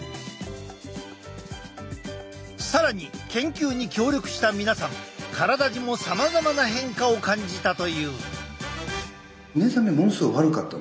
更に研究に協力した皆さん体にもさまざまな変化を感じたという。